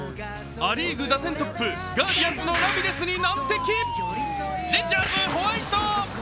ア・リーグ打点トップガーディアンズのラミレスに難敵、レンジャーズ、ホワイト！